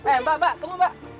eh mbak mbak tunggu mbak